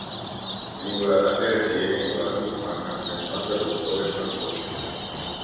Զինվորականները ձիեր էին վարում իսկ մարդկանց մեծ մասը ոտքով էր ճամփորդում։